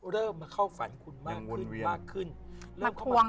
เลยมาเข้าฝันคุณมากขึ้น